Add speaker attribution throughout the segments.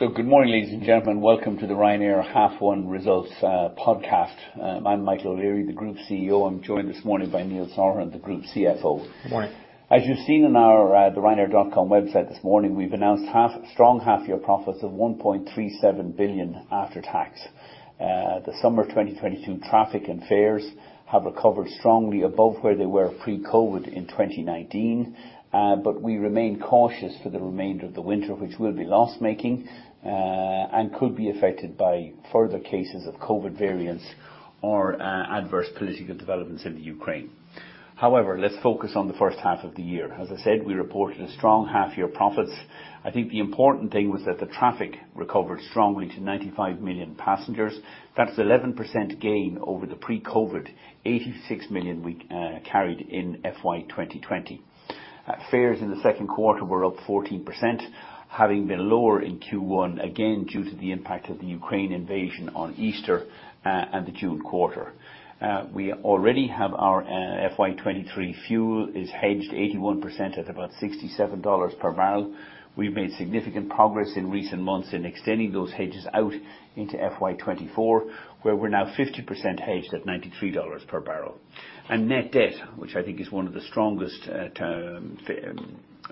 Speaker 1: Good morning, ladies and gentlemen. Welcome to the Ryanair Half 1 Results Podcast. I'm Michael O'Leary, the Group CEO. I'm joined this morning by Neil Sorahan, the Group CFO.
Speaker 2: Good morning.
Speaker 1: As you've seen on the Ryanair.com website this morning, we've announced strong half-year profits of 1.37 billion after tax. The summer 2022 traffic and fares have recovered strongly above where they were pre-COVID in 2019. We remain cautious for the remainder of the winter, which will be loss-making, and could be affected by further cases of COVID variants or adverse political developments in the Ukraine. However, let's focus on the first half of the year. As I said, we reported strong half-year profits. I think the important thing was that the traffic recovered strongly to 95 million passengers. That's 11% gain over the pre-COVID 86 million we carried in FY 2020. Fares in the second quarter were up 14%, having been lower in Q1, again, due to the impact of the Ukraine invasion on Easter and the June quarter. We already have our FY 2023 fuel hedged 81% at about $67 per barrel. We've made significant progress in recent months in extending those hedges out into FY 2024, where we're now 50% hedged at $93 per barrel. Net debt, which I think is one of the strongest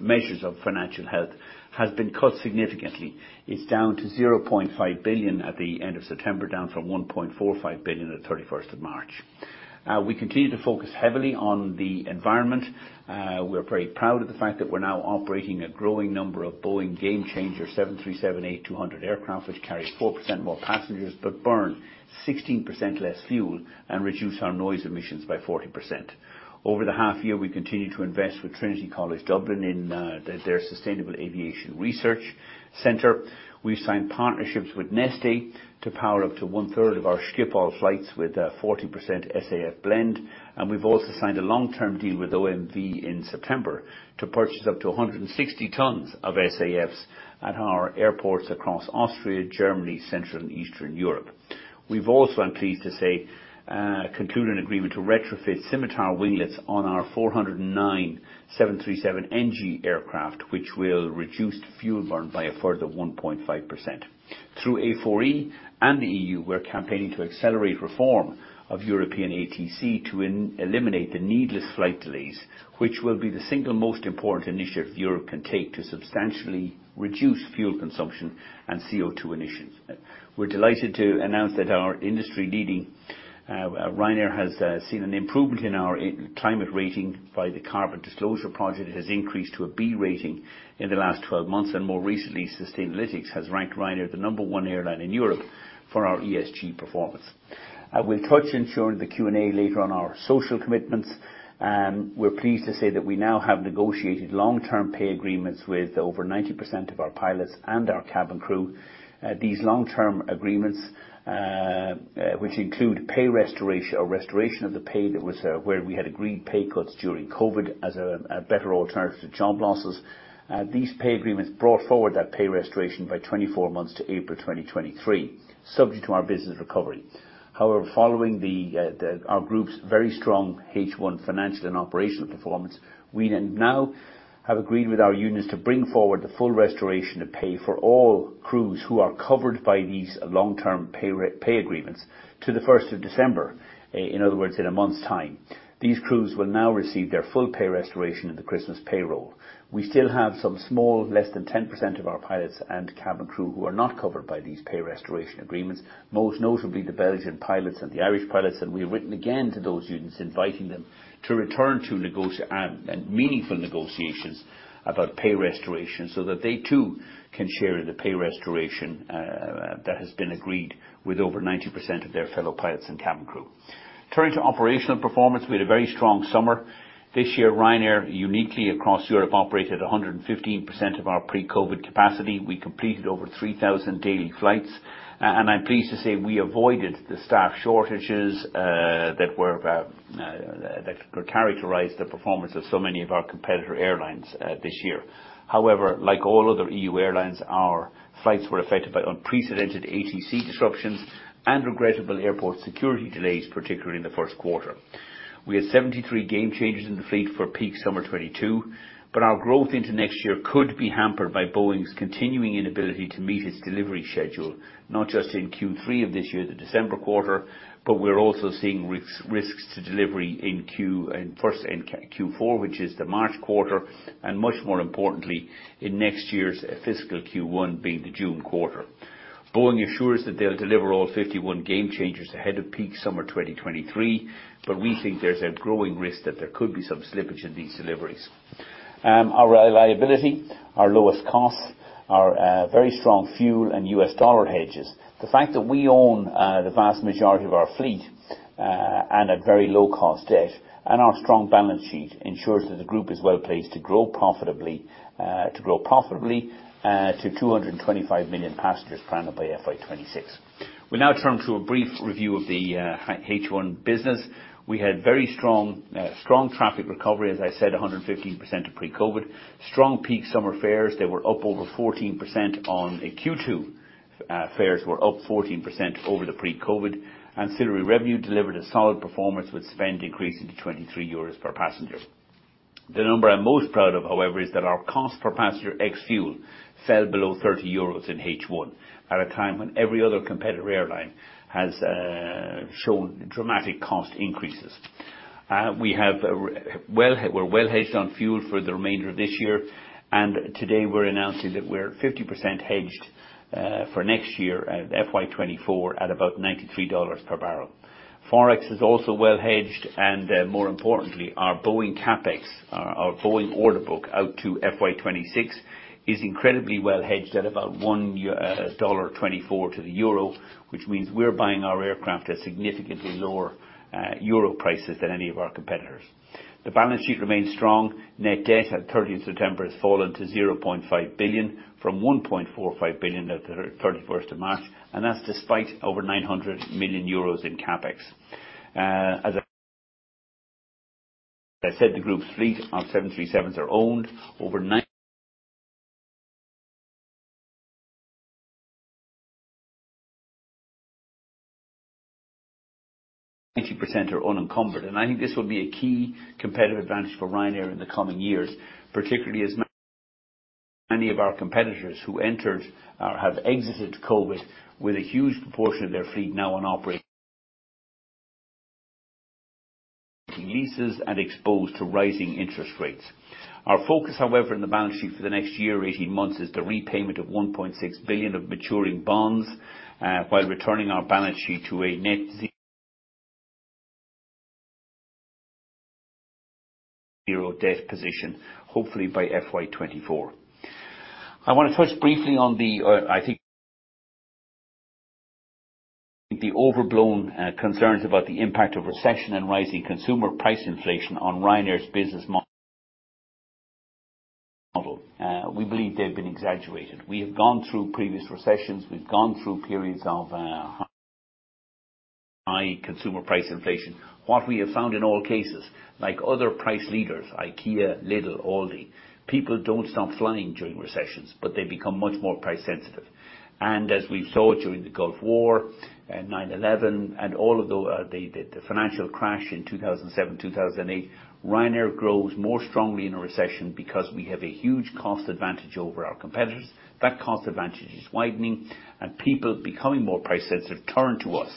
Speaker 1: measures of financial health, has been cut significantly. It's down to 0.5 billion at the end of September, down from 1.45 billion at 31st of March. We continue to focus heavily on the environment. We're very proud of the fact that we're now operating a growing number of Boeing 737-8200 Gamechanger aircraft, which carries 4% more passengers, but burn 16% less fuel and reduce our noise emissions by 40%. Over the half year, we continued to invest with Trinity College Dublin in their sustainable aviation research center. We've signed partnerships with Neste to power up to one-third of our Schiphol flights with 40% SAF blend. We've also signed a long-term deal with OMV in September to purchase up to 160 tons of SAFs at our airports across Austria, Germany, Central and Eastern Europe. We've also, I'm pleased to say, concluded an agreement to retrofit Split Scimitar winglets on our 409 737 NG aircraft, which will reduce fuel burn by a further 1.5%. Through A4E and the EU, we're campaigning to accelerate reform of European ATC to eliminate the needless flight delays, which will be the single most important initiative Europe can take to substantially reduce fuel consumption and CO2 emissions. We're delighted to announce that our industry-leading Ryanair has seen an improvement in our climate rating by the Carbon Disclosure Project. It has increased to a B rating in the last 12 months. More recently, Sustainalytics has ranked Ryanair the number one airline in Europe for our ESG performance. We'll touch ensuring the Q&A later on our social commitments. We're pleased to say that we now have negotiated long-term pay agreements with over 90% of our pilots and our cabin crew. These long-term agreements, which include pay restoration or restoration of the pay that was where we had agreed pay cuts during COVID as a better alternative to job losses. These pay agreements brought forward that pay restoration by 24 months to April 2023, subject to our business recovery. However, following our group's very strong H1 financial and operational performance, we now have agreed with our unions to bring forward the full restoration of pay for all crews who are covered by these long-term pay agreements to the first of December. In other words, in a month's time. These crews will now receive their full pay restoration in the Christmas payroll. We still have some small, less than 10% of our pilots and cabin crew who are not covered by these pay restoration agreements, most notably the Belgian pilots and the Irish pilots. We've written again to those unions inviting them to return to meaningful negotiations about pay restoration so that they too can share in the pay restoration that has been agreed with over 90% of their fellow pilots and cabin crew. Turning to operational performance, we had a very strong summer. This year, Ryanair, uniquely across Europe, operated 115% of our pre-COVID capacity. We completed over 3,000 daily flights. I'm pleased to say we avoided the staff shortages that characterized the performance of so many of our competitor airlines this year. However, like all other EU airlines, our flights were affected by unprecedented ATC disruptions and regrettable airport security delays, particularly in the first quarter. We had 73 Gamechangers in the fleet for peak summer 2022, but our growth into next year could be hampered by Boeing's continuing inability to meet its delivery schedule, not just in Q3 of this year, the December quarter, but we're also seeing risks to delivery in Q4, which is the March quarter, and much more importantly, in next year's fiscal Q1, being the June quarter. Boeing assures that they'll deliver all 51 Gamechangers ahead of peak summer 2023, but we think there's a growing risk that there could be some slippage in these deliveries. Our reliability, our lowest costs, our very strong fuel and US dollar hedges, the fact that we own the vast majority of our fleet, and a very low cost debt, and our strong balance sheet ensures that the group is well placed to grow profitably to 225 million passengers planned by FY 2026. We now turn to a brief review of the H1 business. We had very strong traffic recovery, as I said, 115% of pre-COVID. Strong peak summer fares, they were up over 14% on Q2. Fares were up 14% over the pre-COVID. Ancillary revenue delivered a solid performance with spend increasing to 23 euros per passenger. The number I'm most proud of, however, is that our cost per passenger ex-fuel fell below 30 euros in H1, at a time when every other competitor airline has shown dramatic cost increases. We're well-hedged on fuel for the remainder of this year, and today we're announcing that we're 50% hedged for next year at FY 2024 at about $93 per barrel. Forex is also well hedged, and more importantly, our Boeing CapEx, our Boeing order book out to FY 2026 is incredibly well hedged at about $1.24 to the euro, which means we're buying our aircraft at significantly lower euro prices than any of our competitors. The balance sheet remains strong. Net debt at 13th September has fallen to 0.5 billion from 1.45 billion at the 31st of March. That's despite over 900 million euros in CapEx. As I said, the group's fleet of 737s are owned. Over 90% are unencumbered, and I think this will be a key competitive advantage for Ryanair in the coming years, particularly as many of our competitors who entered or have exited COVID with a huge proportion of their fleet now on operating leases and exposed to rising interest rates. Our focus, however, in the balance sheet for the next year or 18 months is the repayment of 1.6 billion of maturing bonds, while returning our balance sheet to a net zero debt position, hopefully by FY 2024. I wanna touch briefly on the, I think the overblown, concerns about the impact of recession and rising consumer price inflation on Ryanair's business model. We believe they've been exaggerated. We have gone through previous recessions. We've gone through periods of high consumer price inflation. What we have found in all cases, like other price leaders, IKEA, Lidl, Aldi, people don't stop flying during recessions, but they become much more price-sensitive. As we saw during the Gulf War and 9/11 and all of the financial crash in 2007, 2008, Ryanair grows more strongly in a recession because we have a huge cost advantage over our competitors. That cost advantage is widening and people becoming more price sensitive turn to us.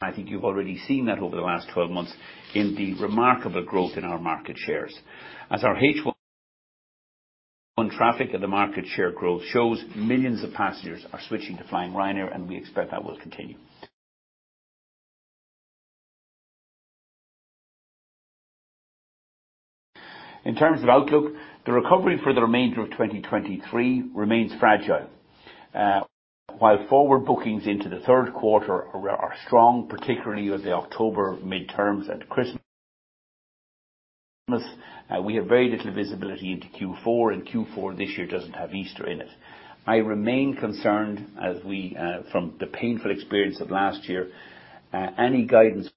Speaker 1: I think you've already seen that over the last 12 months in the remarkable growth in our market shares. As our H1 traffic and the market share growth shows, millions of passengers are switching to flying Ryanair, and we expect that will continue. In terms of outlook, the recovery for the remainder of 2023 remains fragile. While forward bookings into the third quarter are strong, particularly with the October midterms and Christmas, we have very little visibility into Q4, and Q4 this year doesn't have Easter in it. I remain concerned as we, from the painful experience of last year, any guidance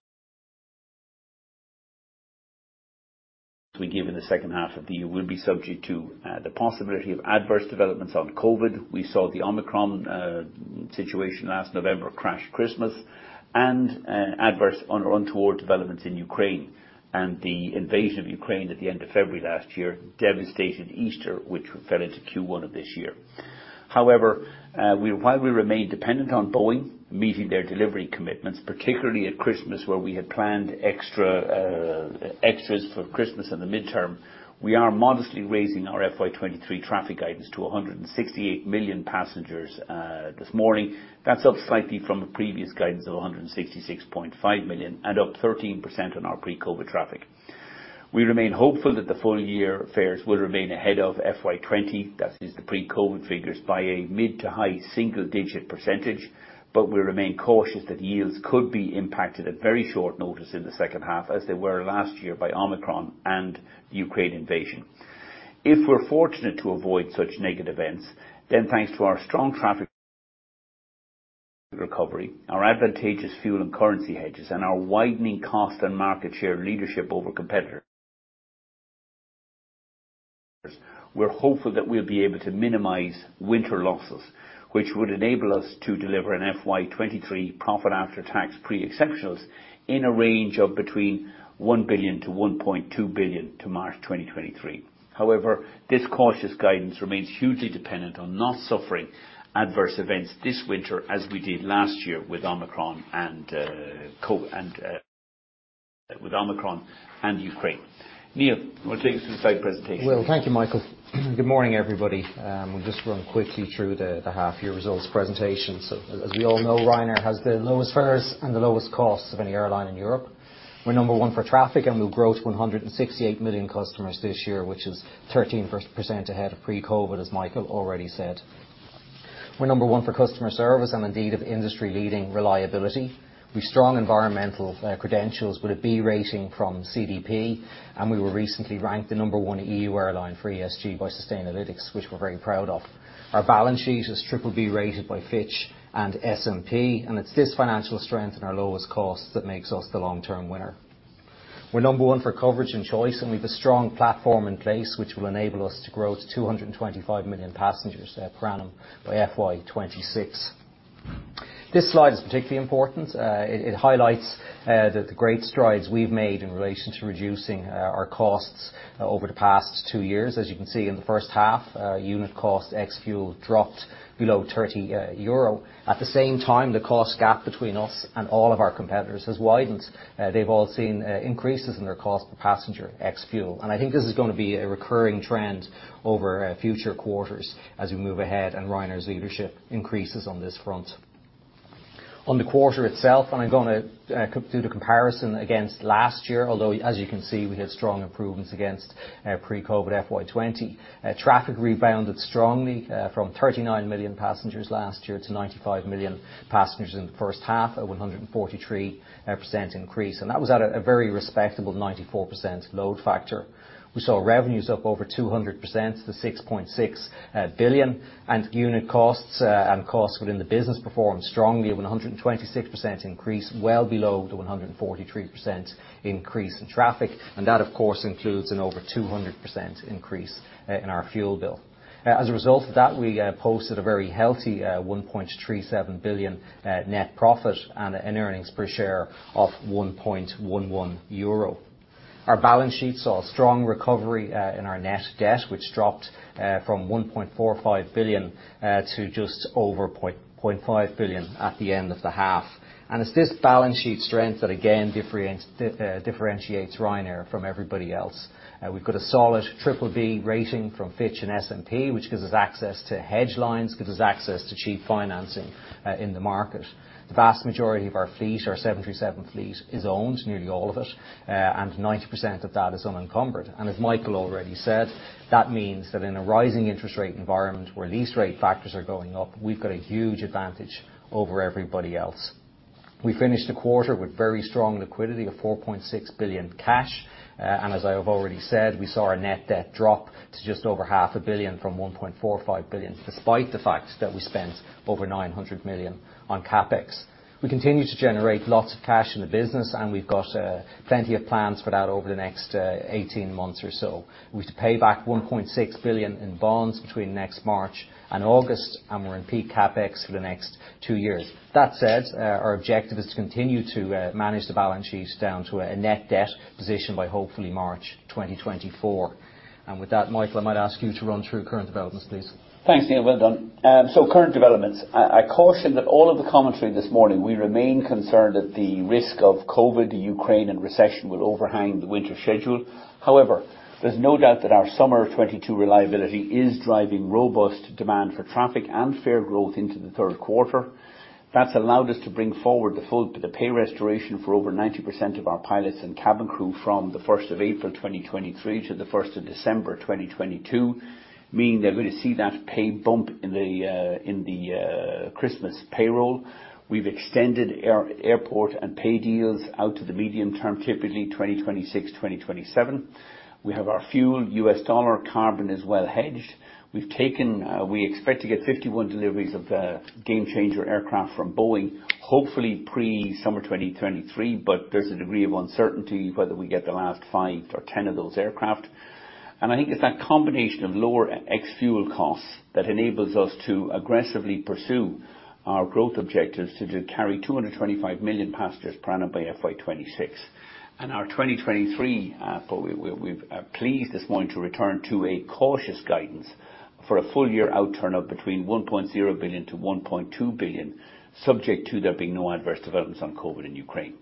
Speaker 1: we give in the second half of the year will be subject to the possibility of adverse developments on COVID. We saw the Omicron situation last November crash Christmas and adverse or untoward developments in Ukraine. The invasion of Ukraine at the end of February last year devastated Easter, which fell into Q1 of this year. However, while we remain dependent on Boeing meeting their delivery commitments, particularly at Christmas where we had planned extras for Christmas and the midterm, we are modestly raising our FY 2023 traffic guidance to 168 million passengers this morning. That's up slightly from a previous guidance of 166.5 million, and up 13% on our pre-COVID traffic. We remain hopeful that the full year fares will remain ahead of FY 2020, that is the pre-COVID figures, by a mid- to high-single-digit %, but we remain cautious that yields could be impacted at very short notice in the second half, as they were last year by Omicron and the Ukraine invasion. If we're fortunate to avoid such negative events, then thanks to our strong traffic recovery, our advantageous fuel and currency hedges, and our widening cost and market share leadership over competitors, we're hopeful that we'll be able to minimize winter losses, which would enable us to deliver an FY 2023 profit after tax pre-exceptionals in a range of between 1 billion-1.2 billion to March 2023. However, this cautious guidance remains hugely dependent on not suffering adverse events this winter as we did last year with Omicron and Ukraine. Neil, you want to take us through the slide presentation?
Speaker 2: Well, thank you, Michael. Good morning, everybody. We'll just run quickly through the half year results presentation. As we all know, Ryanair has the lowest fares and the lowest costs of any airline in Europe. We're number one for traffic, and we'll grow to 168 million customers this year, which is 13% ahead of pre-COVID, as Michael already said. We're number one for customer service and indeed offer industry-leading reliability. We've strong environmental credentials with a B rating from CDP, and we were recently ranked the number one EU airline for ESG by Sustainalytics, which we're very proud of. Our balance sheet is triple B-rated by Fitch and S&P, and it's this financial strength and our lowest cost that makes us the long-term winner. We're number one for coverage and choice, and we've a strong platform in place which will enable us to grow to 225 million passengers per annum by FY 2026. This slide is particularly important. It highlights the great strides we've made in relation to reducing our costs over the past two years. As you can see in the first half, our unit cost ex-fuel dropped below 30 euro. At the same time, the cost gap between us and all of our competitors has widened. They've all seen increases in their cost per passenger ex-fuel. I think this is gonna be a recurring trend over future quarters as we move ahead and Ryanair's leadership increases on this front. On the quarter itself, I'm gonna do the comparison against last year, although as you can see, we have strong improvements against our pre-COVID FY20. Traffic rebounded strongly from 39 million passengers last year to 95 million passengers in the first half, a 143% increase. That was at a very respectable 94% load factor. We saw revenues up over 200% to 6.6 billion. Unit costs and costs within the business performed strongly, 126% increase, well below the 143% increase in traffic. That, of course, includes an over 200% increase in our fuel bill. As a result of that, we posted a very healthy 1.37 billion net profit, and an earnings per share of 1.11 euro. Our balance sheet saw a strong recovery in our net debt, which dropped from 1.45 billion to just over 0.5 billion at the end of the half. It's this balance sheet strength that again differentiates Ryanair from everybody else. We've got a solid BBB rating from Fitch and S&P, which gives us access to hedge lines, gives us access to cheap financing in the market. The vast majority of our fleet, our 737 fleet, is owned, nearly all of it, and 90% of that is unencumbered. As Michael already said, that means that in a rising interest rate environment where lease rate factors are going up, we've got a huge advantage over everybody else. We finished the quarter with very strong liquidity of 4.6 billion cash. As I have already said, we saw our net debt drop to just over half a billion EUR from 1.45 billion, despite the fact that we spent over 900 million on CapEx. We continue to generate lots of cash in the business, and we've got plenty of plans for that over the next 18 months or so. We've to pay back 1.6 billion in bonds between next March and August, and we're in peak CapEx for the next two years. That said, our objective is to continue to manage the balance sheet down to a net debt position by hopefully March 2024. With that, Michael, I might ask you to run through current developments, please.
Speaker 1: Thanks, Neil. Well done. Current developments. I caution that all of the commentary this morning, we remain concerned that the risk of COVID, Ukraine, and recession will overhang the winter schedule. However, there's no doubt that our summer 2022 reliability is driving robust demand for traffic and fare growth into the third quarter. That's allowed us to bring forward the pay restoration for over 90% of our pilots and cabin crew from the 1st of April 2023 to the 1st of December 2022, meaning they're gonna see that pay bump in the Christmas payroll. We've extended airport and pay deals out to the medium term, typically 2026, 2027. We have our fuel, US dollar, carbon is well hedged. We expect to get 51 deliveries of the Gamechanger aircraft from Boeing, hopefully pre-summer 2023, but there's a degree of uncertainty whether we get the last five or 10 of those aircraft. I think it's that combination of lower ex-fuel costs that enables us to aggressively pursue our growth objectives to carry 225 million passengers per annum by FY26. For 2023, we're pleased this morning to return to a cautious guidance for a full-year out-turn of between 1.0 billion-1.2 billion, subject to there being no adverse developments on COVID and Ukraine.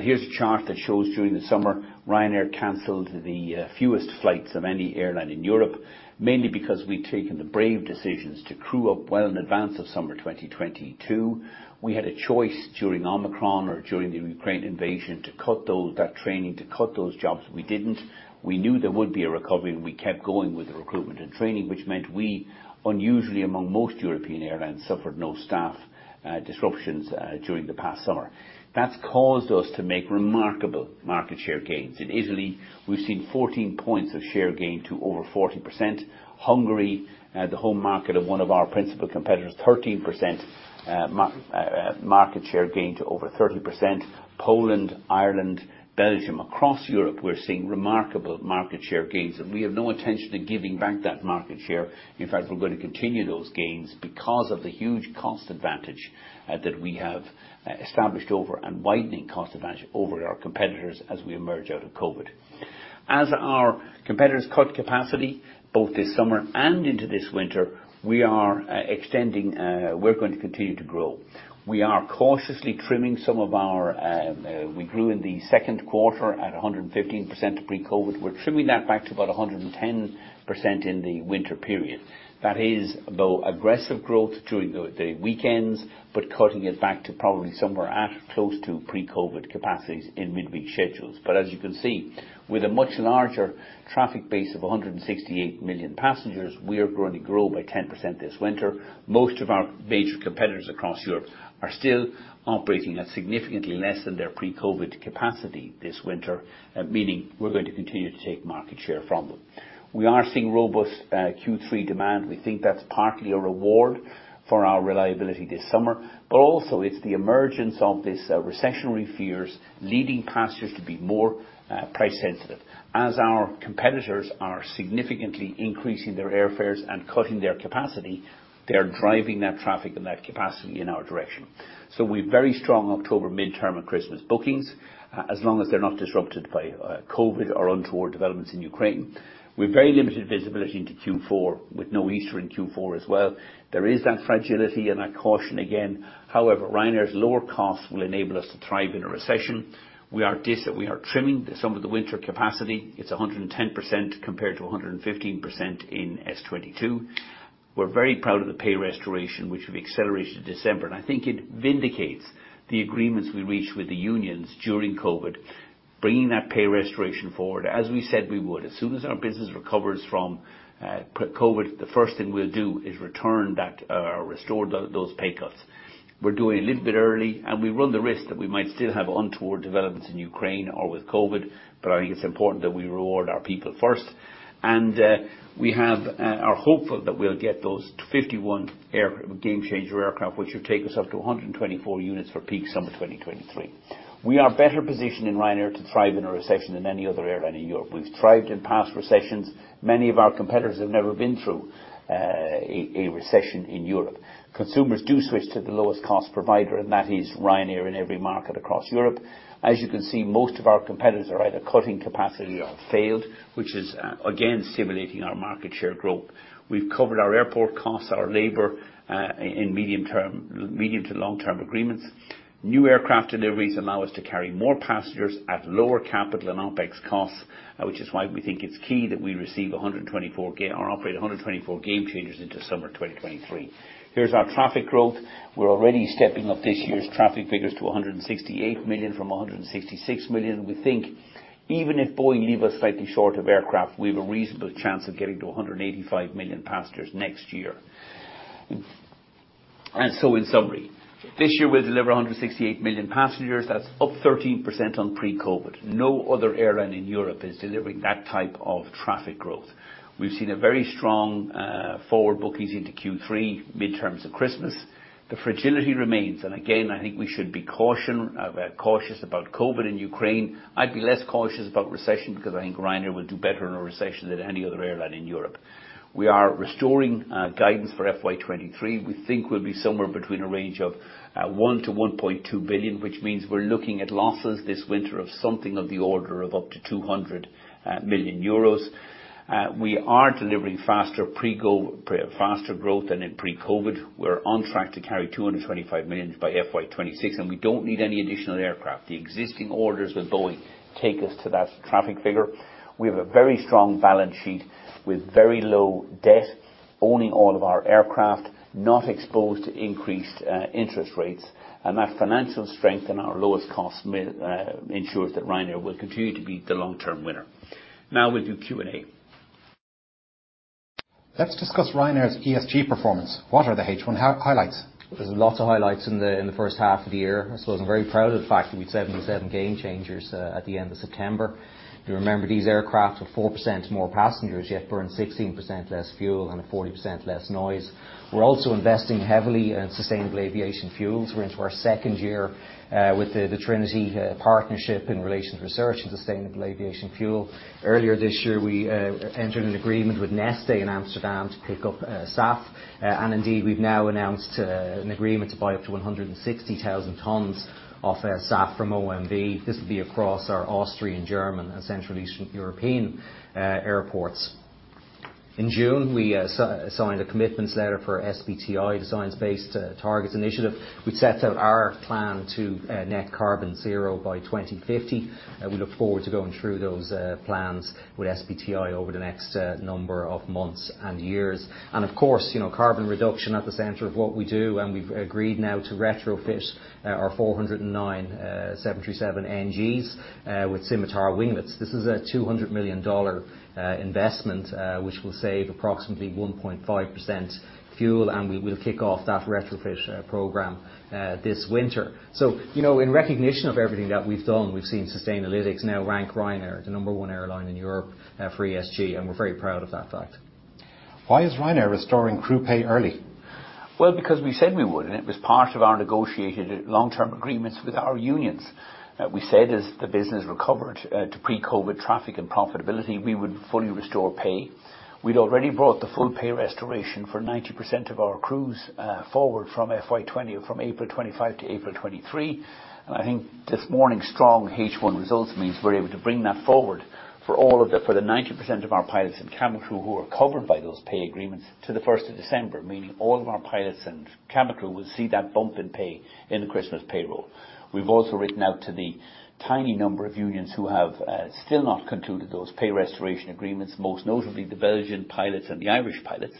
Speaker 1: Here's a chart that shows during the summer, Ryanair canceled the fewest flights of any airline in Europe, mainly because we'd taken the brave decisions to crew up well in advance of summer 2022. We had a choice during Omicron or during the Ukraine invasion to cut that training, to cut those jobs. We didn't. We knew there would be a recovery, and we kept going with the recruitment and training, which meant we, unusually among most European airlines, suffered no staff disruptions during the past summer. That's caused us to make remarkable market share gains. In Italy, we've seen 14 points of share gain to over 40%. Hungary, the home market of one of our principal competitors, 13% market share gain to over 30%. Poland, Ireland, Belgium, across Europe, we're seeing remarkable market share gains, and we have no intention of giving back that market share. In fact, we're gonna continue those gains because of the huge cost advantage that we have established over and widening cost advantage over our competitors as we emerge out of COVID. As our competitors cut capacity both this summer and into this winter, we're going to continue to grow. We are cautiously trimming some of our. We grew in the second quarter at 115% to pre-COVID. We're trimming that back to about 110% in the winter period. That is both aggressive growth during the weekends, but cutting it back to probably somewhere at close to pre-COVID capacities in midweek schedules. As you can see, with a much larger traffic base of 168 million passengers, we are going to grow by 10% this winter. Most of our major competitors across Europe are still operating at significantly less than their pre-COVID capacity this winter, meaning we're going to continue to take market share from them. We are seeing robust Q3 demand. We think that's partly a reward for our reliability this summer. Also it's the emergence of this recessionary fears leading passengers to be more price sensitive. As our competitors are significantly increasing their airfares and cutting their capacity, they are driving that traffic and that capacity in our direction. We've very strong October midterm and Christmas bookings, as long as they're not disrupted by COVID or untoward developments in Ukraine. We've very limited visibility into Q4 with no Easter in Q4 as well. There is that fragility and that caution again. However, Ryanair's lower costs will enable us to thrive in a recession. We are trimming some of the winter capacity. It's 110% compared to 115% in S22. We're very proud of the pay restoration which we've accelerated to December, and I think it vindicates the agreements we reached with the unions during COVID, bringing that pay restoration forward as we said we would. As soon as our business recovers from pre-COVID, the first thing we'll do is return that, restore those pay cuts. We're doing it a little bit early, and we run the risk that we might still have untoward developments in Ukraine or with COVID, but I think it's important that we reward our people first. We are hopeful that we'll get those 51 Gamechanger aircraft which will take us up to 124 units for peak summer 2023. We are better positioned in Ryanair to thrive in a recession than any other airline in Europe. We've thrived in past recessions. Many of our competitors have never been through a recession in Europe. Consumers do switch to the lowest cost provider, and that is Ryanair in every market across Europe. As you can see, most of our competitors are either cutting capacity or have failed, which is again cementing our market share growth. We've covered our airport costs, our labor in medium term, medium to long-term agreements. New aircraft deliveries allow us to carry more passengers at lower capital and OpEx costs, which is why we think it's key that we operate 124 Gamechangers into summer 2023. Here's our traffic growth. We're already stepping up this year's traffic figures to 168 million from 166 million. We think even if Boeing leave us slightly short of aircraft, we've a reasonable chance of getting to 185 million passengers next year. In summary, this year we'll deliver 168 million passengers. That's up 13% on pre-COVID. No other airline in Europe is delivering that type of traffic growth. We've seen a very strong forward bookings into Q3, mid-teens for Christmas. The fragility remains, and again, I think we should be cautious about COVID and Ukraine. I'd be less cautious about recession because I think Ryanair will do better in a recession than any other airline in Europe. We are restoring guidance for FY 2023. We think we'll be somewhere between a range of 1 billion-1.2 billion, which means we're looking at losses this winter of something of the order of up to 200 million euros. We are delivering faster growth than in pre-COVID. We're on track to carry 225 million by FY 2026, and we don't need any additional aircraft. The existing orders with Boeing take us to that traffic figure. We have a very strong balance sheet with very low debt, owning all of our aircraft, not exposed to increased interest rates, and that financial strength and our lowest costs ensures that Ryanair will continue to be the long-term winner. Now we'll do Q&A.
Speaker 3: Let's discuss Ryanair's ESG performance. What are the H1 highlights?
Speaker 2: There's lots of highlights in the first half of the year. I suppose I'm very proud of the fact that we've 77 game-changers at the end of September. You remember these aircraft are 4% more passengers, yet burn 16% less fuel and have 40% less noise. We're also investing heavily in sustainable aviation fuels. We're into our second year with the Trinity partnership in relation to research in sustainable aviation fuel. Earlier this year we entered an agreement with Neste in Amsterdam to pick up SAF, and indeed, we've now announced an agreement to buy up to 160,000 tons of SAF from OMV. This will be across our Austrian, German, and Central Eastern European airports. In June, we signed a commitments letter for SBTI, the Science Based Targets initiative, which sets out our plan to net carbon zero by 2050. We look forward to going through those plans with SBTI over the next number of months and years. Of course, you know, carbon reduction at the center of what we do, and we've agreed now to retrofit our 409 737NGs with Scimitar winglets. This is a $200 million investment, which will save approximately 1.5% fuel, and we will kick off that retrofit program this winter. You know, in recognition of everything that we've done, we've seen Sustainalytics now rank Ryanair the number one airline in Europe for ESG, and we're very proud of that fact.
Speaker 3: Why is Ryanair restoring crew pay early?
Speaker 1: Well, because we said we would, and it was part of our negotiated long-term agreements with our unions, that we said as the business recovered to pre-COVID traffic and profitability, we would fully restore pay. We'd already brought the full pay restoration for 90% of our crews forward from FY 2020, from April 2025 to April 2023. I think this morning's strong H1 results means we're able to bring that forward for the 90% of our pilots and cabin crew who are covered by those pay agreements to the first of December, meaning all of our pilots and cabin crew will see that bump in pay in the Christmas payroll. We've also written out to the tiny number of unions who have still not concluded those pay restoration agreements, most notably the Belgian pilots and the Irish pilots,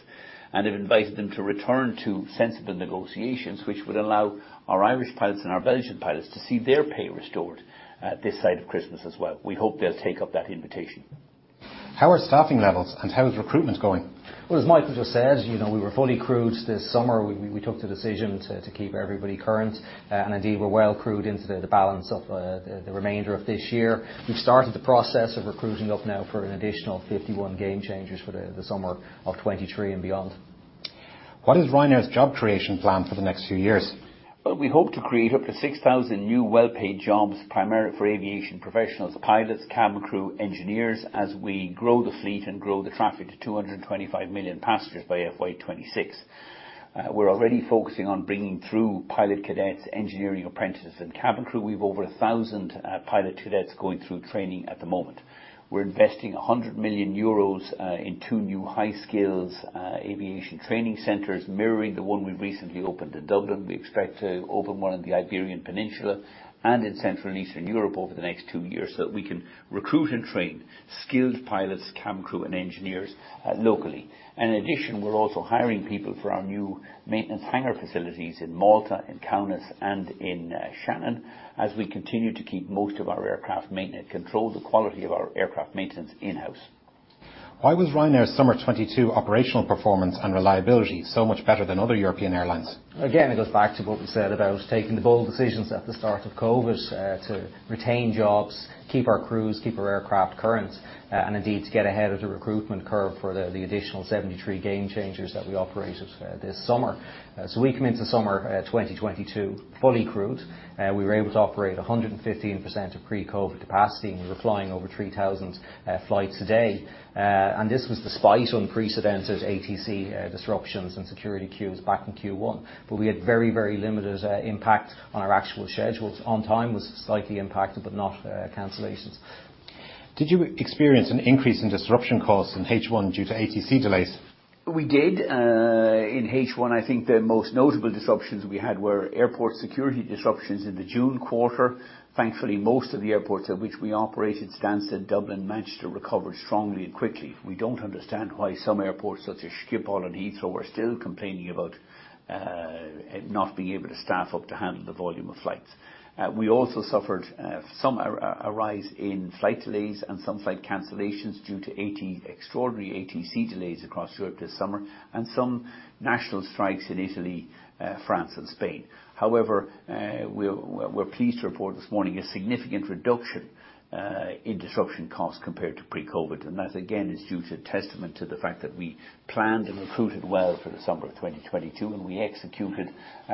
Speaker 1: and have invited them to return to sensible negotiations which would allow our Irish pilots and our Belgian pilots to see their pay restored, this side of Christmas as well. We hope they'll take up that invitation.
Speaker 3: How are staffing levels, and how is recruitment going?
Speaker 2: Well, as Michael just said, you know, we were fully crewed this summer. We took the decision to keep everybody current. Indeed, we're well crewed into the balance of the remainder of this year. We've started the process of recruiting up now for an additional 51 game-changers for the summer of 2023 and beyond.
Speaker 3: What is Ryanair's job creation plan for the next few years?
Speaker 1: Well, we hope to create up to 6,000 new well-paid jobs, primarily for aviation professionals, pilots, cabin crew, engineers, as we grow the fleet and grow the traffic to 225 million passengers by FY 2026. We're already focusing on bringing through pilot cadets, engineering apprentices, and cabin crew. We've over 1,000 pilot cadets going through training at the moment. We're investing 100 million euros in two new high-skill aviation training centers mirroring the one we've recently opened in Dublin. We expect to open one in the Iberian Peninsula and in Central and Eastern Europe over the next two years, so that we can recruit and train skilled pilots, cabin crew, and engineers locally. In addition, we're also hiring people for our new maintenance hangar facilities in Malta and Kaunas and in Shannon as we continue to control the quality of our aircraft maintenance in-house.
Speaker 3: Why was Ryanair's Summer 2022 operational performance and reliability so much better than other European airlines?
Speaker 2: Again, it goes back to what we said about taking the bold decisions at the start of COVID, to retain jobs, keep our crews, keep our aircraft current, and indeed, to get ahead of the recruitment curve for the additional 737 Gamechangers that we operated this summer. We come into summer 2022 fully crewed. We were able to operate 115% of pre-COVID capacity, and we were flying over 3,000 flights a day. This was despite unprecedented ATC disruptions and security queues back in Q1. We had very, very limited impact on our actual schedules. On time was slightly impacted, but not cancellations.
Speaker 3: Did you experience an increase in disruption costs in H1 due to ATC delays?
Speaker 1: We did. In H1, I think the most notable disruptions we had were airport security disruptions in the June quarter. Thankfully, most of the airports at which we operate, at Stansted, Dublin, managed to recover strongly and quickly. We don't understand why some airports such as Schiphol and Heathrow are still complaining about not being able to staff up to handle the volume of flights. We also suffered some increase in flight delays and some flight cancellations due to extraordinary ATC delays across Europe this summer, and some national strikes in Italy, France, and Spain. However, we're pleased to report this morning a significant reduction in disruption costs compared to pre-COVID. That, again, is a testament to the fact that we planned and recruited well for the summer of 2022, and we executed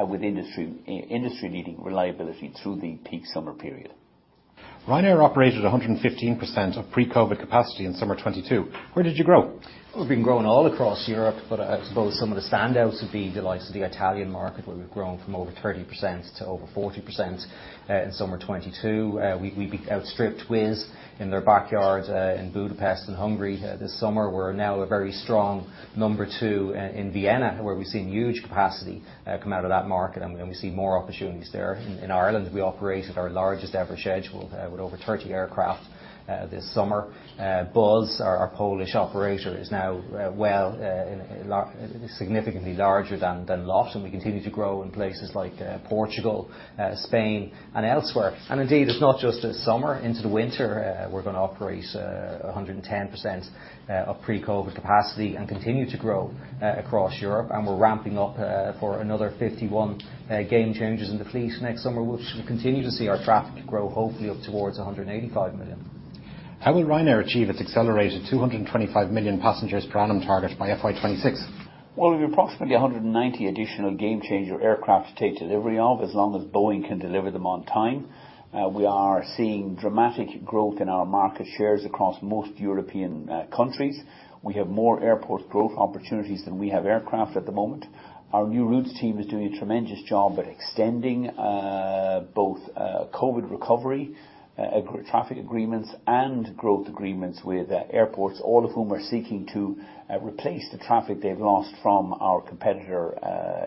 Speaker 1: with industry-leading reliability through the peak summer period.
Speaker 3: Ryanair operated 115% of pre-COVID capacity in Summer 2022. Where did you grow?
Speaker 2: We've been growing all across Europe, but I suppose some of the standouts would be the likes of the Italian market, where we've grown from over 30% to over 40% in Summer 2022. We outstripped Wizz in their backyard in Budapest in Hungary this summer. We're now a very strong number two in Vienna, where we've seen huge capacity come out of that market, and we only see more opportunities there. In Ireland, we operated our largest ever schedule with over 30 aircraft this summer. Buzz, our Polish operation is now significantly larger than LOT, and we continue to grow in places like Portugal, Spain, and elsewhere. Indeed, it's not just the summer. Into the winter, we're gonna operate 110% of pre-COVID capacity and continue to grow across Europe, and we're ramping up for another 51 game changers in the fleet next summer. We'll continue to see our traffic grow, hopefully up towards 185 million.
Speaker 3: How will Ryanair achieve its accelerated 225 million passengers per annum target by FY 2026?
Speaker 1: Well, we have approximately 190 additional game changer aircraft to take delivery of, as long as Boeing can deliver them on time. We are seeing dramatic growth in our market shares across most European countries. We have more airport growth opportunities than we have aircraft at the moment. Our new routes team is doing a tremendous job at extending both COVID recovery traffic agreements, and growth agreements with airports, all of whom are seeking to replace the traffic they've lost from our competitor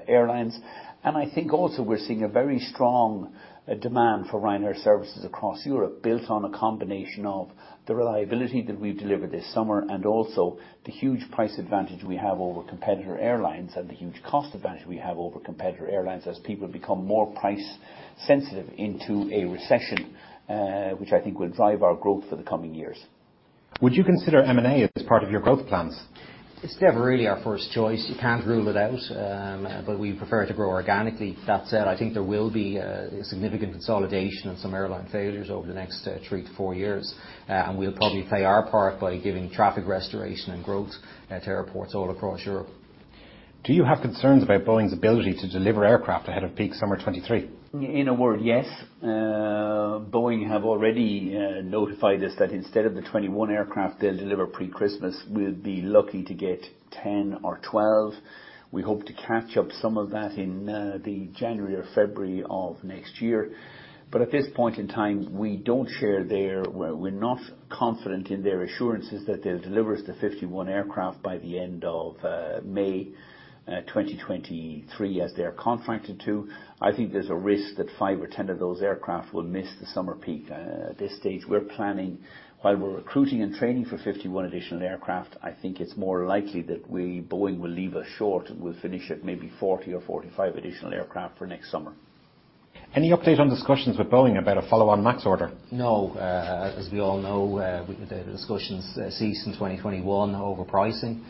Speaker 1: airlines. I think also we're seeing a very strong demand for Ryanair services across Europe, built on a combination of the reliability that we've delivered this summer and also the huge price advantage we have over competitor airlines and the huge cost advantage we have over competitor airlines as people become more price-sensitive into a recession, which I think will drive our growth for the coming years.
Speaker 3: Would you consider M&A as part of your growth plans?
Speaker 2: It's never really our first choice. You can't rule it out. We prefer to grow organically. That said, I think there will be significant consolidation and some airline failures over the next three to four years, and we'll probably play our part by giving traffic restoration and growth to airports all across Europe.
Speaker 3: Do you have concerns about Boeing's ability to deliver aircraft ahead of peak summer 2023?
Speaker 1: In a word, yes. Boeing have already notified us that instead of the 21 aircraft they'll deliver pre-Christmas, we'll be lucky to get 10 or 12. We hope to catch up some of that in the January or February of next year. At this point in time, we're not confident in their assurances that they'll deliver us the 51 aircraft by the end of May 2023, as they are contracted to. I think there's a risk that five or 10 of those aircraft will miss the summer peak. At this stage, we're planning, while we're recruiting and training for 51 additional aircraft, I think it's more likely that Boeing will leave us short, and we'll finish at maybe 40 or 45 additional aircraft for next summer.
Speaker 3: Any update on discussions with Boeing about a follow-on MAX order?
Speaker 2: No. As we all know, the discussions ceased in 2021 over pricing.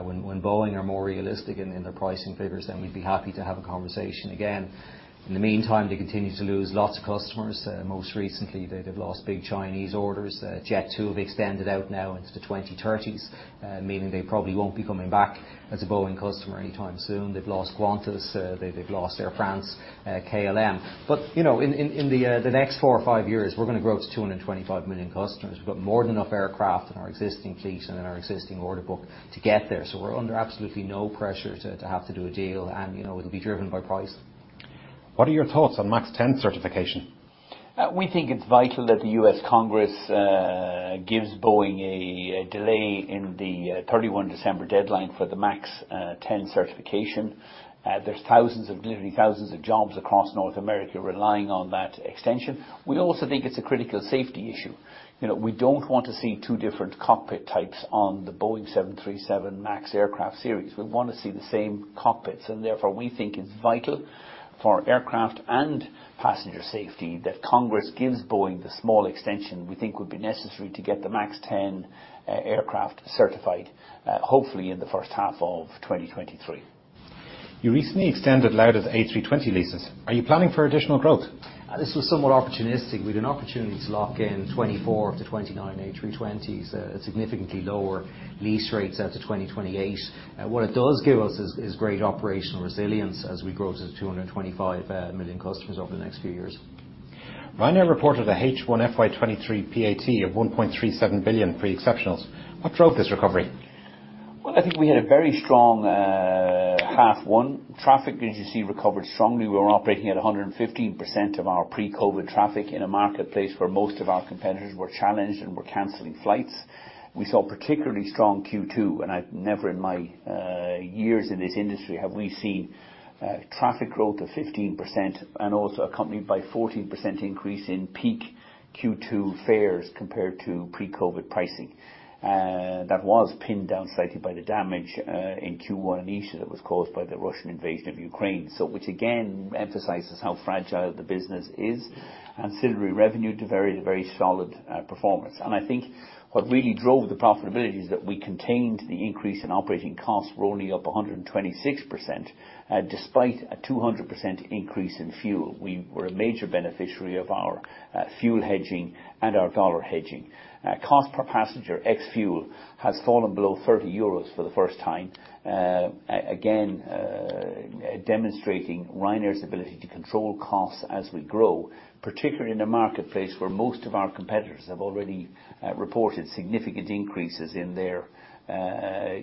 Speaker 2: When Boeing are more realistic in their pricing figures, then we'd be happy to have a conversation again. In the meantime, they continue to lose lots of customers. Most recently they've lost big Chinese orders. Jet2 have extended out now into the 2030s, meaning they probably won't be coming back as a Boeing customer anytime soon. They've lost Qantas. They've lost Air France, KLM. You know, in the next four or five years, we're gonna grow to 225 million customers. We've got more than enough aircraft in our existing fleet and in our existing order book to get there, so we're under absolutely no pressure to have to do a deal, and you know, it'll be driven by price.
Speaker 3: What are your thoughts on MAX 10 certification?
Speaker 1: We think it's vital that the U.S. Congress gives Boeing a delay in the 31 December deadline for the MAX 10 certification. There's literally thousands of jobs across North America relying on that extension. We also think it's a critical safety issue. You know, we don't want to see two different cockpit types on the Boeing 737 MAX aircraft series. We want to see the same cockpits, and therefore, we think it's vital for aircraft and passenger safety that Congress gives Boeing the small extension we think would be necessary to get the MAX 10 aircraft certified, hopefully in the first half of 2023.
Speaker 3: You recently extended Lauda's A320 leases. Are you planning for additional growth?
Speaker 1: This was somewhat opportunistic. We had an opportunity to lock in 24 of the 29 A320s at significantly lower lease rates out to 2028. What it does give us is great operational resilience as we grow to 225 million customers over the next few years.
Speaker 3: Ryanair reported a H1 FY 2023 PAT of 1.37 billion pre-exceptionals. What drove this recovery?
Speaker 1: Well, I think we had a very strong half one. Traffic, as you see, recovered strongly. We were operating at 115% of our pre-COVID traffic in a marketplace where most of our competitors were challenged and were canceling flights. We saw particularly strong Q2, and I've never in my years in this industry have we seen traffic growth of 15% and also accompanied by 14% increase in peak Q2 fares compared to pre-COVID pricing. That was pinned down slightly by the damage in Q1 initially that was caused by the Russian invasion of Ukraine, so which again emphasizes how fragile the business is. Ancillary revenue, too, very, very solid performance. I think what really drove the profitability is that we contained the increase in operating costs. We're only up 126%, despite a 200% increase in fuel. We were a major beneficiary of our fuel hedging and our dollar hedging. Cost per passenger ex-fuel has fallen below 30 euros for the first time. Again, demonstrating Ryanair's ability to control costs as we grow, particularly in a marketplace where most of our competitors have already reported significant increases in their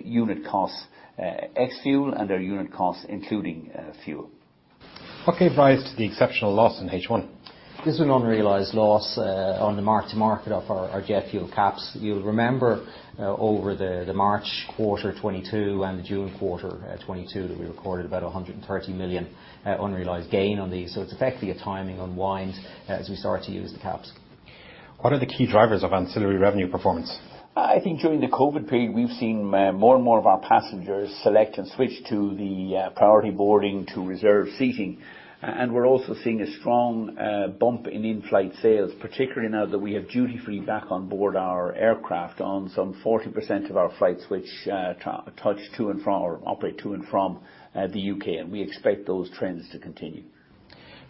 Speaker 1: unit costs ex-fuel and their unit costs including fuel.
Speaker 3: What gave rise to the exceptional loss in H1?
Speaker 1: This was an unrealized loss on the mark to market of our jet fuel caps. You'll remember over the March quarter 2022 and the June quarter 2022 that we recorded about 130 million unrealized gain on these. It's effectively a timing unwind as we start to use the caps.
Speaker 3: What are the key drivers of ancillary revenue performance?
Speaker 1: I think during the COVID period, we've seen more and more of our passengers select and switch to the priority boarding to reserve seating. We're also seeing a strong bump in in-flight sales, particularly now that we have duty-free back on board our aircraft on some 40% of our flights which touch to and from or operate to and from the UK, and we expect those trends to continue.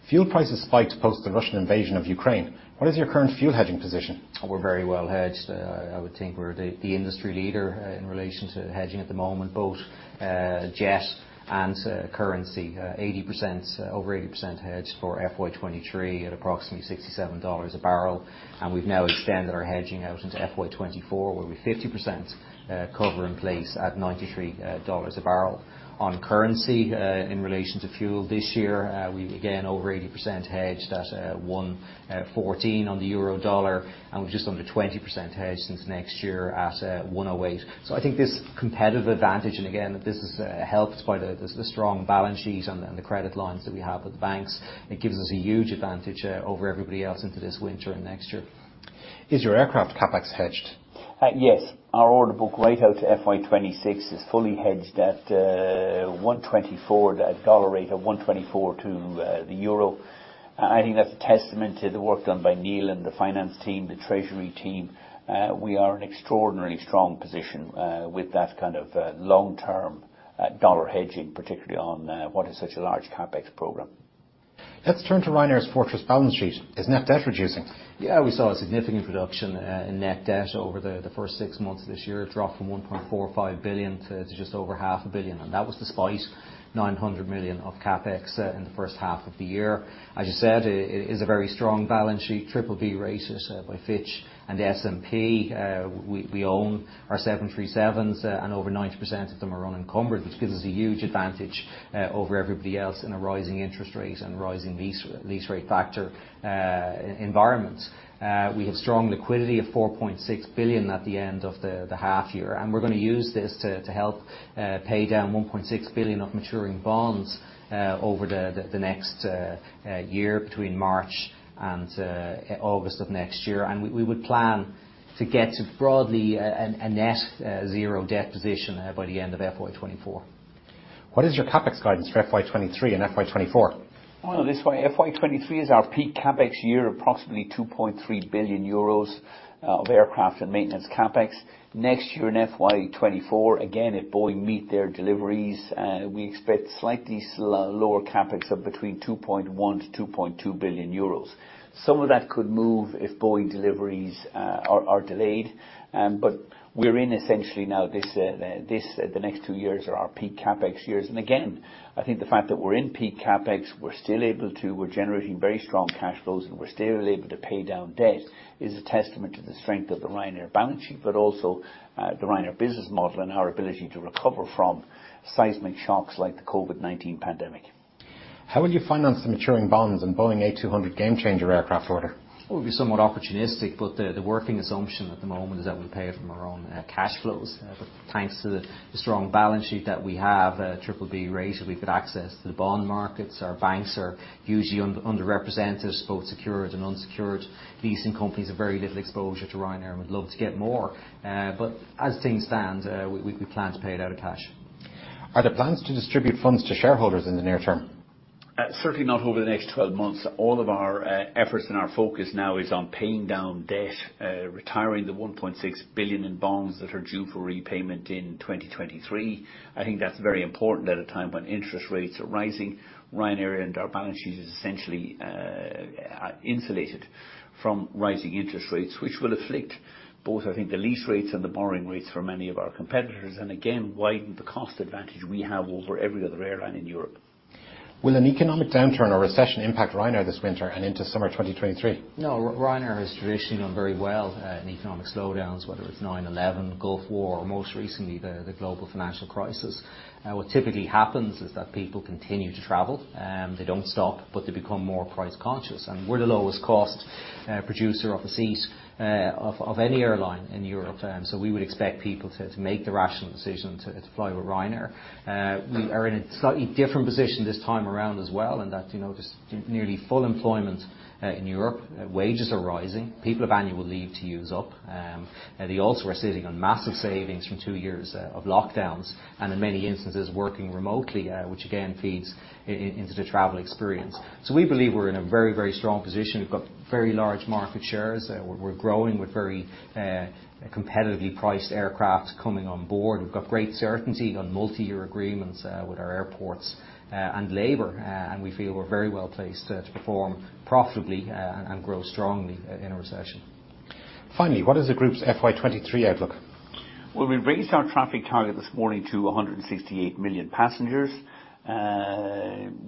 Speaker 3: Fuel prices spiked post the Russian invasion of Ukraine. What is your current fuel hedging position?
Speaker 1: We're very well hedged. I would think we're the industry leader in relation to hedging at the moment, both jet and currency. Over 80% hedged for FY 2023 at approximately $67 a barrel, and we've now extended our hedging out into FY 2024 with 50% cover in place at $93 a barrel. On currency, in relation to fuel this year, we're again over 80% hedged at 1.14 on the euro-dollar, and we've just under 20% hedged into next year at 1.08. I think this competitive advantage, and again, this is helped by the strong balance sheet and the credit lines that we have with the banks. It gives us a huge advantage over everybody else into this winter and next year.
Speaker 3: Is your aircraft CapEx hedged?
Speaker 1: Yes. Our order book right out to FY 2026 is fully hedged at $1.24, that dollar rate of $1.24 to the euro. I think that's a testament to the work done by Neil and the finance team, the treasury team. We are in extraordinarily strong position with that kind of long-term dollar hedging, particularly on what is such a large CapEx program.
Speaker 3: Let's turn to Ryanair's fortress balance sheet. Is net debt reducing?
Speaker 1: Yeah. We saw a significant reduction in net debt over the first six months of this year. It dropped from 1.45 billion to just over half a billion EUR, and that was despite 900 million of CapEx in the first half of the year. As you said, it is a very strong balance sheet, triple B rated by Fitch and S&P. We own our 737s, and over 90% of them are unencumbered, which gives us a huge advantage over everybody else in a rising interest rate and rising lease rate factor environment. We have strong liquidity of 4.6 billion at the end of the half year, and we're gonna use this to help pay down 1.6 billion of maturing bonds over the next year between March and August of next year. We would plan to get to broadly a net zero debt position by the end of FY 2024.
Speaker 3: What is your CapEx guidance for FY 2023 and FY 2024?
Speaker 1: Well, this FY 2023 is our peak CapEx year, approximately 2.3 billion euros of aircraft and maintenance CapEx. Next year in FY 2024, again if Boeing meet their deliveries, we expect slightly lower CapEx of between 2.1-2.2 billion euros. Some of that could move if Boeing deliveries are delayed, but we're in essentially now this, the next two years are our peak CapEx years. Again, I think the fact that we're in peak CapEx, we're generating very strong cash flows, and we're still able to pay down debt is a testament to the strength of the Ryanair balance sheet, but also the Ryanair business model and our ability to recover from seismic shocks like the COVID-19 pandemic.
Speaker 3: How will you finance the maturing bonds and Boeing 737-8200 Gamechanger aircraft order?
Speaker 1: We'll be somewhat opportunistic, but the working assumption at the moment is that we'll pay it from our own cash flows. Thanks to the strong balance sheet that we have, triple-B rated, we've got access to the bond markets. Our banks are usually underrepresented, both secured and unsecured. Leasing companies have very little exposure to Ryanair, would love to get more. As things stand, we plan to pay it out of cash.
Speaker 3: Are there plans to distribute funds to shareholders in the near term?
Speaker 1: Certainly not over the next 12 months. All of our efforts and our focus now is on paying down debt, retiring the 1.6 billion in bonds that are due for repayment in 2023. I think that's very important at a time when interest rates are rising. Ryanair and our balance sheet is essentially insulated from rising interest rates, which will afflict both, I think, the lease rates and the borrowing rates for many of our competitors, and again, widen the cost advantage we have over every other airline in Europe.
Speaker 3: Will an economic downturn or recession impact Ryanair this winter and into summer 2023?
Speaker 2: No. Ryanair has traditionally done very well in economic slowdowns, whether it's 9/11, Gulf War, or most recently the global financial crisis. What typically happens is that people continue to travel. They don't stop, but they become more price conscious, and we're the lowest cost producer of a seat of any airline in Europe. So we would expect people to make the rational decision to fly with Ryanair. We are in a slightly different position this time around as well in that you know there's nearly full employment in Europe. Wages are rising. People have annual leave to use up. They also are sitting on massive savings from two years of lockdowns and in many instances working remotely which again feeds into the travel experience. We believe we're in a very, very strong position. We've got very large market shares. We're growing with very competitively priced aircraft coming on board. We've got great certainty on multi-year agreements with our airports and labor. We feel we're very well placed to perform profitably and grow strongly in a recession.
Speaker 3: Finally, what is the group's FY23 outlook?
Speaker 1: Well, we raised our traffic target this morning to 168 million passengers.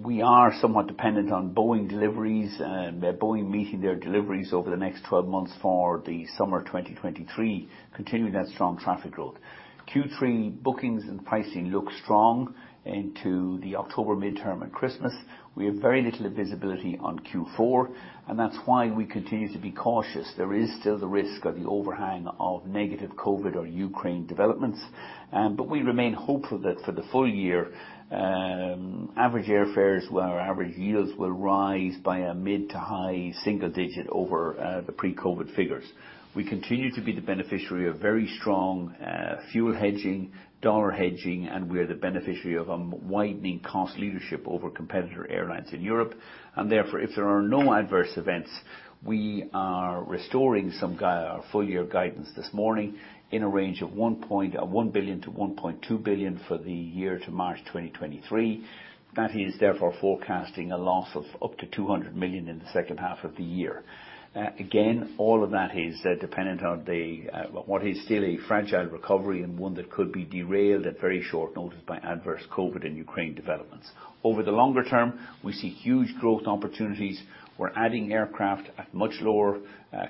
Speaker 1: We are somewhat dependent on Boeing deliveries, Boeing meeting their deliveries over the next 12 months for the summer 2023, continuing that strong traffic growth. Q3 bookings and pricing look strong into the October midterm and Christmas. We have very little visibility on Q4, and that's why we continue to be cautious. There is still the risk of the overhang of negative COVID or Ukraine developments. We remain hopeful that for the full year, average airfares or our average yields will rise by a mid- to high-single-digit % over the pre-COVID figures. We continue to be the beneficiary of very strong fuel hedging, dollar hedging, and we're the beneficiary of a widening cost leadership over competitor airlines in Europe. If there are no adverse events, we are restoring our full year guidance this morning in a range of 1.1 billion-1.2 billion for the year to March 2023. That is therefore forecasting a loss of up to 200 million in the second half of the year. Again, all of that is dependent on what is still a fragile recovery and one that could be derailed at very short notice by adverse COVID and Ukraine developments. Over the longer term, we see huge growth opportunities. We're adding aircraft at much lower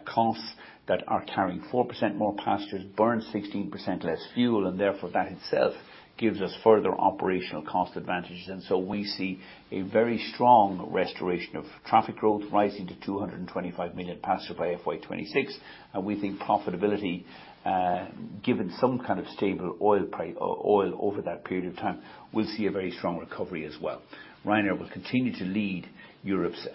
Speaker 1: costs that are carrying 4% more passengers, burns 16% less fuel, and therefore that itself gives us further operational cost advantages. We see a very strong restoration of traffic growth rising to 225 million passengers by FY26, and we think profitability, given some kind of stable oil over that period of time, will see a very strong recovery as well. Ryanair will continue to lead Europe's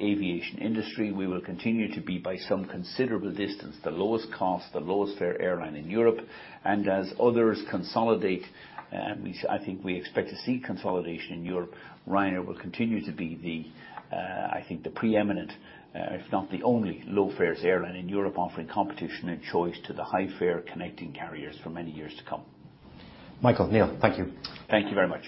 Speaker 1: aviation industry. We will continue to be, by some considerable distance, the lowest cost, the lowest fare airline in Europe. As others consolidate, I think we expect to see consolidation in Europe, Ryanair will continue to be the, I think the preeminent, if not the only low-fares airline in Europe, offering competition and choice to the high-fare connecting carriers for many years to come.
Speaker 3: Michael, Neil, thank you.
Speaker 1: Thank you very much.